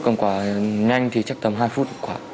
còn quả nhanh thì chắc tầm hai phút